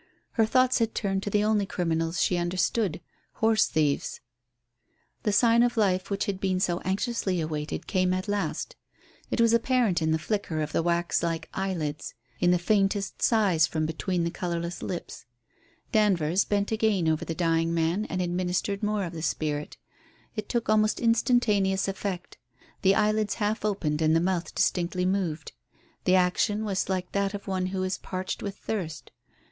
Her thoughts had turned to the only criminals she understood horse thieves. The sign of life which had been so anxiously awaited came at last. It was apparent in the flicker of the wax like eyelids; in the faintest of sighs from between the colourless lips. Danvers bent again over the dying man and administered more of the spirit It took almost instantaneous effect. The eyelids half opened and the mouth distinctly moved. The action was like that of one who is parched with thirst.